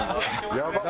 やばっ！